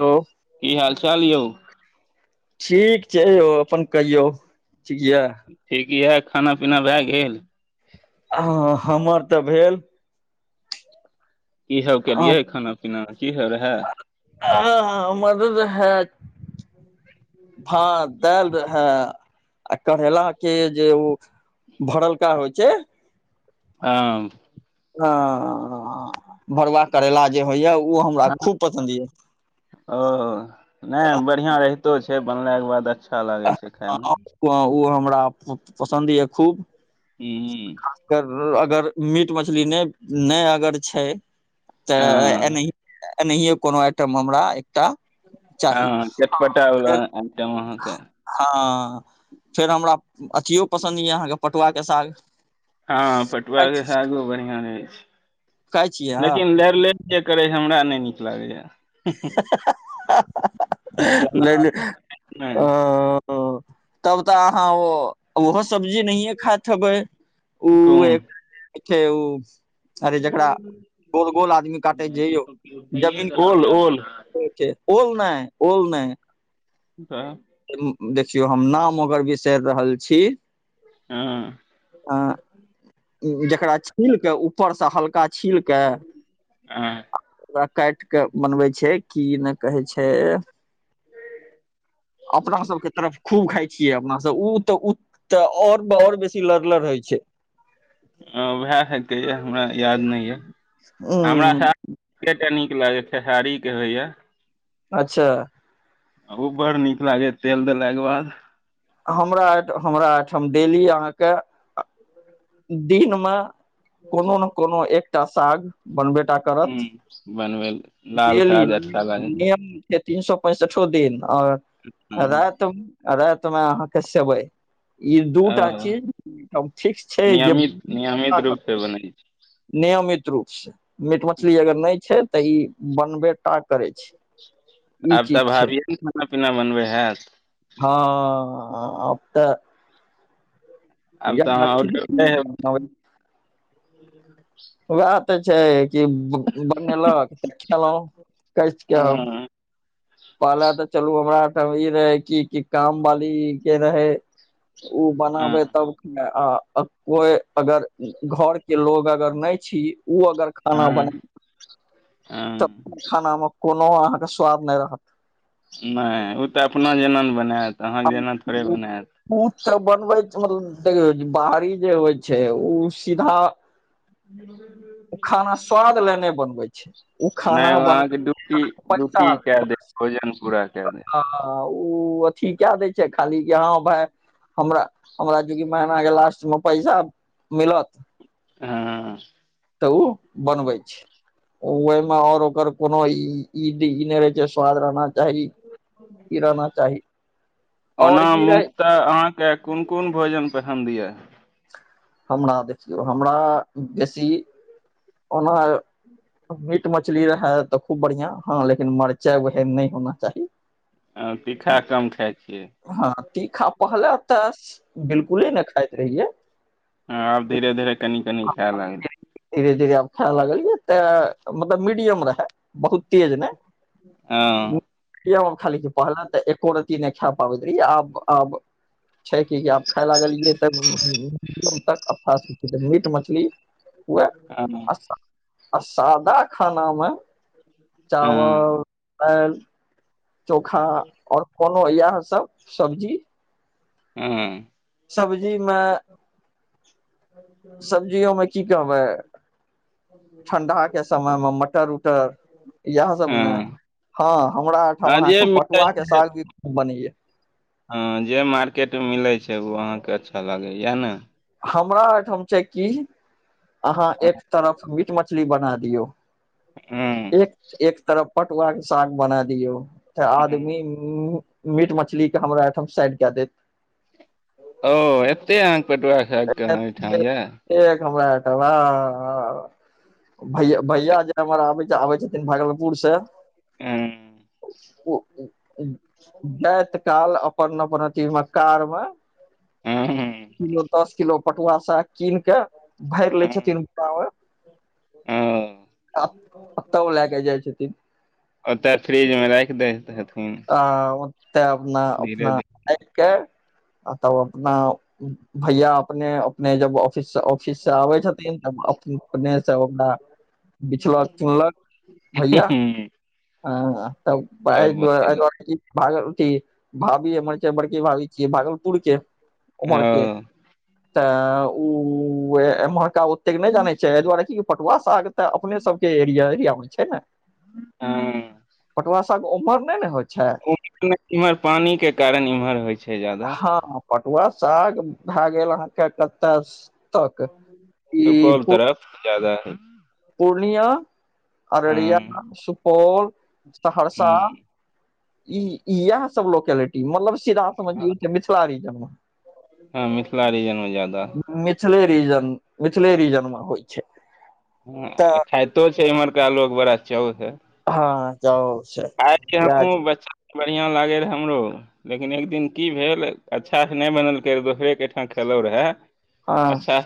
Hello की हाल चाल यौ ठीक छै यौ अपन कहियौ ठीक यऽ ठीक य खाना पीना भए गेल ह हमर तऽ भेल की सब आ केलियै खाना पीना की सब रहै आहा हमर रहै भात दाल रहै आ करेल के जे ओ भरलका होइ छै [unintelligible] ह भरुआ करेला जे होइया ओ हमरा ह खूब पसन्द ओ नहि बढ़ियाॅं रहितो बनलाक के बाद अच्छा लागै छै खायमे यऽ ओ हमरा पसन्द यऽ खूब हूँ अगर मीट मछली नहि नहि अगर छै तऽ हँ एनहि एनाहिए कोनो आइटम हमरा एकटा चाही हँ चटपटा वला फेर आइटम अहाँके हाँ फेर हमरा अथियो पसन्द यए अहाँके पटुआके साग हाँ पटुआ के खाइ सागो बढ़ियां होइ छियै छै लेकिन अहाँ लर ले करै हमरा नहि नीक लागैए लै ले आ नहि तब तऽ अहाँ ओ वहो सब्जी नहिये खाइत हैबै उ कोन उ अरे जकरा गोल गोल आदमी काटे जयौ जमीन क ओल ओल ओल नहि ओल नहि तऽ देखियौ हम नाम ओकर बिसरि रहल छी हाँ अ जकरा छीलके ऊपर से हल्का छील के काट के बनबै छै की ने कहे छै अपना सबके तरफ खूब खाई छियै अपना सब ओ तऽ ओ तऽ ओर ओर बेसी लड़ लड़ होइ छै ओहा हैतय हमरा याद नहि यऽ हमरा उंम्म साथ कनी लागै खेसारी के होइयै अच्छा ओ बड़ नीक लागै तेल देलाके बाद हमराठ हमरा एहिठाम डेली अहाँके दिन मे कोनो ने कोनो एकटा साग बनबै टा करत ह बनबै ल- लाल डेली साग अच्छा लागै छै नियम से तीन सौ पैंसठो दिन ओर ह रात रात मे अहाँके सेवई ई दूटा ओ चीज ठीक छै जे कर नियमित नियमित नियम रूप से बनै छै नियमित रूप से मीट मछली अगर नहि छै तऽ ई बनबेटा करै छै ई आब तऽ चीज छै भाभिये ने खाना पीना बनबै हैत हाँ हाँ आब तऽ आब तऽ अहाँ ऑर्डर दै हेबै [unintelligible] उहै तऽ छै की बनेलक तऽ खेलउ कसके हँ पहले तऽ चलू हमरा ठाम ई रहै कि कि काम वाली के रहै ओ हँ बनाबे तब आ कोई अगर घरके लोग अगर नहि छी ओ अगर खाना हँ बना त हँ खानामे कोनो अहाँके स्वाद नहि रहत नहि ओ तऽ अपना जेनाने बनायत अहाँके जेना थोड़े बनायत ब बनबै छलहूँ देख बाड़ी जे होइ छै ओ सीधा खाना स्वाद ले नहि बनबै ओ खाना नहि ओ बन अहाँके ड्यूटी पैसा ड्यूटी कए ले देत बस भोजन पूरा कए देत ओ अथी कए दै छै खाली कि हाँ भाय हमरा हमरा चूँकि महीनाके लास्टमे पैसा मिलत हुं त ओ बनबैय छैय, ओहिमे आओर ओकर कोनो इ नै रहैय छैय स्वाद रहना चाही, इ रहना चाही ओना आओर की रहै मुखतह अहाँके कोन-कोन भोजन पसन्द ये? हमरा, देखियौ हमरा बेसी ओना मीट-मछली रहए त खुब बढ़िआं हँ लेकिन मरचाइ ओहन नै होना चाही ह, तीखा कम खाइ छी। हँ तीखा पहिले त बिलकुले नै खाइत रहियैय हँ आब धीरे-धीरे कनी-कनी खाय लगलिए। धीरे-धीरे आब खाय लगलिए तें मतलब मीडियम रहैय बहुत तेज नै हँ। पहिले त एको रत्ती नै खा पाबैत रहियै आब-आब छै कि आब खाय लागलियै त मीट-मछली उएह न आ सादा खानामे हँ चावल, दालि, चोखा, आओर कोनो इएह सब सब्जी हुं। सब्जियोमे की कहबैय ठण्डाके समयमे मटर-उटर इएह सब ने। हँ हँ हमरा हँ एहिठाम जे अहाँके मिलै पटुआके छै साग भी खुब बनैये। हँ जे मार्केटमे मिलैय छैय उ अहाँके अच्छा लागैय इएह ने? हमरा एहिठाम छैय की अहाँ एक तरफ मीट-मछली बना दियौ, हँ एक-एक तरफ पटुआ के साग बना दियौ। त हँ आदमी मीट-मछली के हमरा एहिठाम साइड कए देत। ओ एत्ते अहाँके पटुआ खाइए अहाँ ओहिठाम यौ। एतेक हमरा ओहिठाम ह-ह। भैया-भैया जे हमर आबैय छथिन भागलपुर सँ ऐं ओ जाइत काल अपन-अपन अथीमे कारमे ह-ह पटुआ साग कीन कय भरि लै छथिन हँ कारमे छथिन ओतय फ्रिजमे राखि दैय आ ओतय धीरे अपना-अपना [unintelligible] तब अपना भैया अपने-अपने जब ऑफिस-ऑफिस सँ आबैय छथिन त अपने से ओकरा बिछलक-चुनलक भैया, धीरे हँ तब सब बनेलक दुआरे भागल अथी भाभी हमर छैय बड़की भाभी छियैय भागलपुर के ओ उमहर के तऽ ओ एम्हरका ओतेक नै जानैय छै एहि दुआरे की पटुआ साग तऽ अपने सबके एरिया-एरियामे छै ने। हँ। पटुआ साग ओम्हर नै ने होइ छै एम्हर पानिके कारण एम्हर होइ छै जादा। हँ पटुआ साग भए गेल अहाँके कतय तक ई सुपौल तरफ ज्यादा हय। पूर्णियां, अररिया, हँ सुपौल, सहरसा हूँ इ इएह सब लोकेलिटी मतलब सीधा समझियौ जे मिथिला रीजनमे। हँ मिथिला रीजन मे ज्यादा मिथिले रीजन-मिथिले रीजनमे होइ छै हँ तऽ खाइतो छै इम्हरका लोक बड़ा चाउसे हाँ जाउ से साग के वएह हमहूँ बच्चा बढ़ियाॅं लागे रहे हमरो लेकिन एक दिन की भेल अच्छा से नहि बनलकै रे दोसरे के ठाम खेल [unintelligible] खैलौं रेहे हँ अच्छा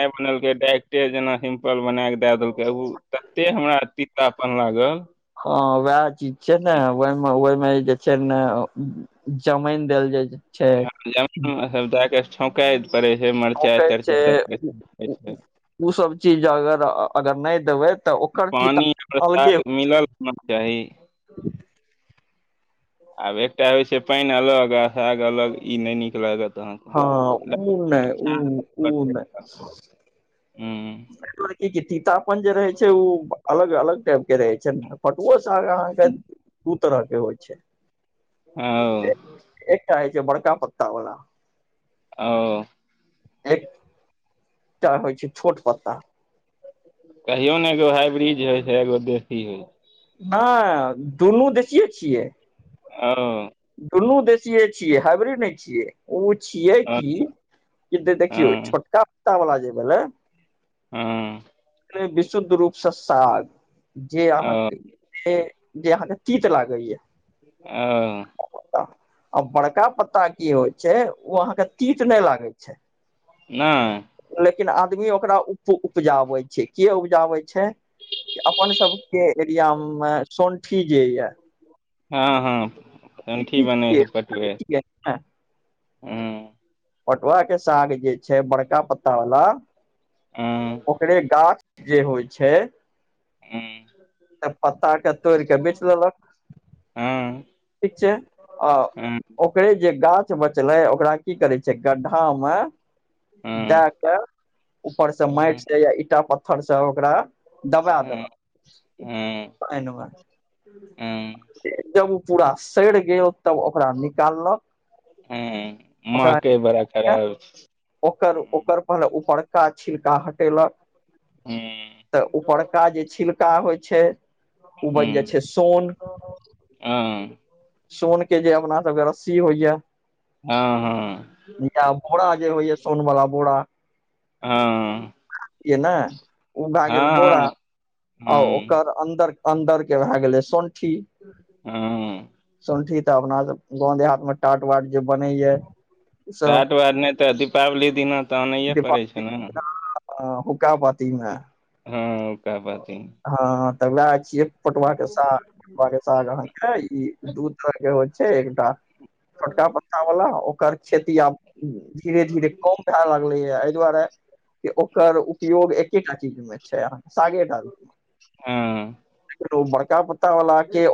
बनेलकै डायरेक्टे जेना सिम्पल बना कऽ दए देलकै ओ तते हमरा तीतापन लागल हँ वएह चीज छै ने ओहि मे ओहिमे जे छै ने जमाईन देल जाय छै हाँ छौकै [inaudible] छौंकै छै कऽ उसब चीज अगर अगर नहि देबै तऽ ओकर पानि तीता आओर अलगे साग होइ छै मिलल होना चाही आब एकटा होइ छै पाइन अलग आ साग अलग ई नहि नीक लागत अहाँके हाँ ओ नहि उ अच्छा, उ नहि हूँ र की तीतापन जे रहै छै उ अलग अलग टाइप के रहे छै पटुओ साग अहाँके दू तरहके होइ छै ओ जे बड़का पत्ता वाला ओ एकटा होइ छै छोट पत्ता कहियो ने एगो हाइब्रिज होइ छै एगो देशी होइ नहि दुनू देसियए छियै ओ दुनू देशीये छियै हाइब्रिड नहि छियै छियै ओ, की देखियौ हँ छोटका पत्ता वाला जे भेलै हूँ विशुद्ध रूपसे साग जे ओ अहाँके जे अहाँके तीत लागैये ओ आ बड़का पत्ता की होइ छै ओ अहाँके तीत नहि लागै छै नै लेकिन आदमी ओकरा उ उपजाबै छै के उपजाबै छै तऽ अपन सबके एरियामे सोन किजा यै हँ हँ ठण्ठी [unintelligible] ह्म् पटुआ के साग जे छै बड़का पत्ता वाला हँ ओकरे गाछ जे होइ छै हँ त पत्ताके तोड़ कऽ बेच लेलक छै आ ओकरे जे गाछ बचले ओकरा की करै छै गड्ढा मे दए क ऊपर से माटि से या ईटा पत्थर से ओकरा दबा दबा महकै पइन में जब ओ पूरा सड़ गेल तब ओकरा निकाललक ह्म ओकरा महके बङा के खराब ओकर ओकर हूँ पर ऊपरका छिलका हटेलक हूँ तऽ ऊपरका जे छिलका होइ छै ओ बनि ह्म जाइ छै सोन हाँ सोन के जे अपना रस्सी होइय हँ या बोरा जे होइय सोनवला बोरा हाँ केने ओ भए गेल बोरा हँ आ ओकर अन्दर अन्दर के भए गेलै सौंठी हँ संठी तऽ अपना सब गाँव देहाात में टाट वाट जे बनै य चट बार नहि तऽ दीपावली दिना तऽ आनैए पड़ै छै ने ओ हुक्कापाती में हँ हुकापाती हँ तब वोह व्है छियै पटुआ के साग पटुआ के साग अहाँके ई दू तरहके होइ छै एकटा छोटका पत्तावला ओकर खेती आब धीरे धीरे कम भए लगलैए एहि दुआरे ओकर उपयोग एकेटा चीज मे छै अहाँ सागे टा हँ लेकिन बड़का प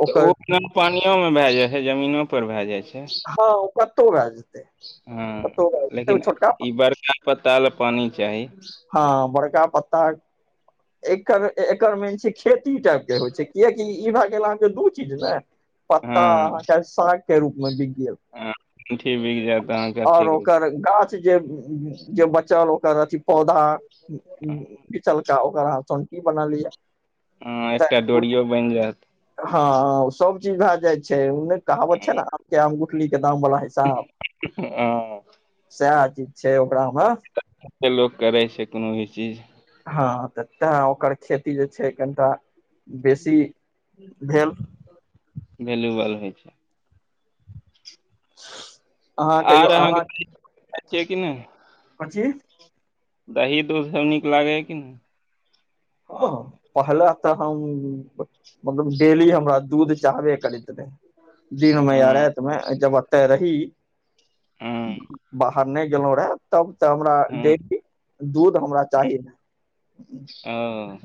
तऽ ओ पानियोमे भए जाइ छै जमीनो पर भए जाइ छै हँ ओ कतौ भए जे हँ लेकिन ई बड़का पताल पानि चाही हँ बड़का पत्ता एकर एकर मेन छै खेती टाइप के होय छै कियकि ई भए ई भेल दूं चीज ने पत्ता हँ अहा साग रूप बिक गेल हँ ठुठी बिक जायत अहाँके आ ओर अथीक रूप ओकर जे बचल ओकर पौधा चल ओकर रह तन की बना लियै अ एकटा डोरियो बनि जायत हँ सब चीज भए जाय छै उने कहावत छै ने आ केम के दाम बला हिसाब हँ साहब सएह चीज छै ओकरा मे हेलो कराइ करै छै कोनो भी चीज हँ तऽ तें ओकर खेती जे छै कनिटा बेसी भेल वल्यूबल होइ छै अहाँ कहियौ अहाँ छै कि नहि कोन चिज दही दूध सब नीक लागैया कि नहि ह पहला तऽ हम मतलब डेली हमरा दूध चाहबे करैत रहे दिन मे या हँ राति मे जब ओतय रही हँ बाहर नइ गेलो रहा तब तऽ हमरा हँ डेली दूर हमरा चाही ने ओ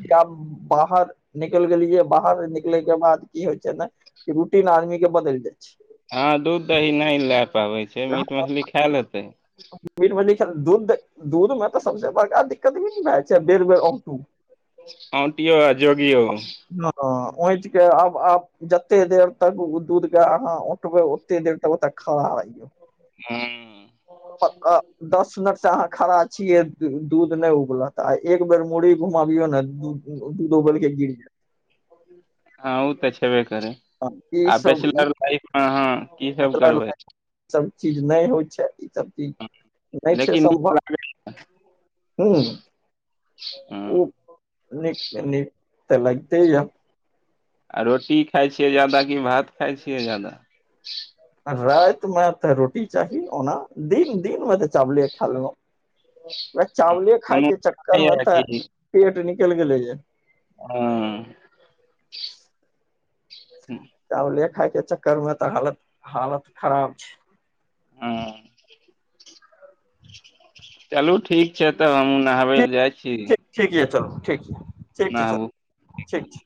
बाहर निकल गेलियै बाहर निकलै के बाद की होइ छै ने रूटीन आदमी के बदलि जाइ छै हँ दूध दही नइ लए पाबै छै से मीट मछली खाएँ लेतै दू दूध में तऽ सबे बड़का दिक्कत भ छै बेर बे मीट ऑटूयो आ जोगियों ह ऑटू के आब आब जते देर तक ओ दूध के अहाँ ठबै ओते त तऽ खराौ हँ दस मिनट से अहाँ खड़ा छियै दूध नइ उबलत आ एक बेर मुरी घुमबियौ ने दूध उबलके गिर जायत हुँ ओ तऽ छै ई आ सब ई बैचलर लाइफ मे अहाँ की सब करबै इसभ चीज नहि होइ छै इसभ चीज नहि छै लेकिन नीक संभव लागै हम हुँ नीक नीक तऽ लगते य आ रोटी खाय छियै जादा कि भात खाय छियै जादा राति मे तऽ रोटी चाही ओना दिन दिन मे तऽ चावले खा लेलहु व चावले खाय कोनो के चक्कर नहि मे य तऽ पेट निकलि गेलै या ऊ हुँम चावले खायके चक्करमे तऽ हालत हालत खराब छै हँ चलू ठीक छै तऽ हमहुँ नहाबै छै लए जाइ छी ठीक ठीक ठीक य चलू ठीक छै ठीक छै सर नहाबू ठीक छै